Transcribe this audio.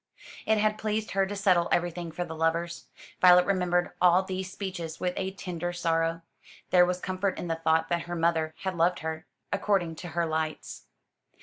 It had pleased her to settle everything for the lovers. Violet remembered all these speeches with a tender sorrow. There was comfort in the thought that her mother had loved her, according to her lights.